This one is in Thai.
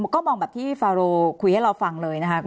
ก็มองแบบที่ฟาโรคุยให้เราฟังเลยนะคะ